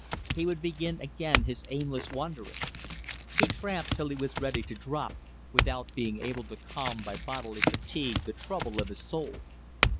He would begin again his aimless wanderings. He tramped till he was ready to drop, without being able to calm by bodily fatigue the trouble of his soul.